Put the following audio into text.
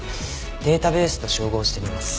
データベースと照合してみます。